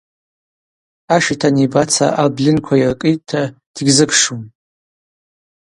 Ашитан йбаца абльынква йыркӏитӏта дгьзыкшум.